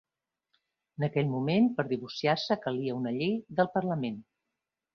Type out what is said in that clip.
En aquell moment, per divorciar-se calia una llei del Parlament.